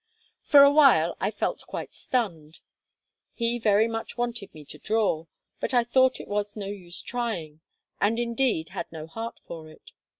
For a while I felt quite stunned. He very much wanted me to draw; but I thought it was no use trying, and, indeed, had no heart for it.